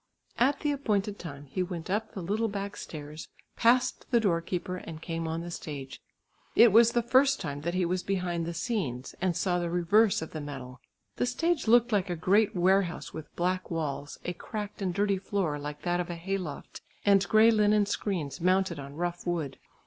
At the appointed time he went up the little back stairs, passed the door keeper and came on the stage. It was the first time that he was behind the scenes, and saw the reverse of the medal. The stage looked like a great warehouse with black walls; a cracked and dirty floor like that of a hay loft, and grey linen screens mounted on rough wood.